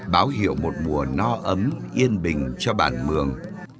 báo hiệu một mùa no ấm yên bình cho bản mường